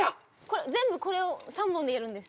全部これを３本でやるんです。